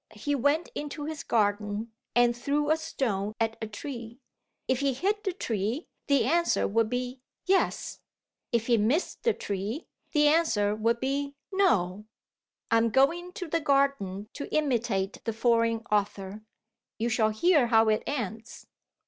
He went into his garden and threw a stone at a tree. If he hit the tree, the answer would be Yes. If he missed the tree, the answer would be No. I am going into the garden to imitate the foreign author. You shall hear how it ends.